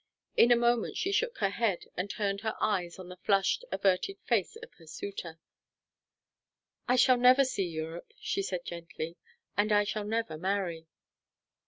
In a moment she shook her head and turned her eyes on the flushed, averted face of her suitor. "I shall never see Europe," she said gently, "and I shall never marry."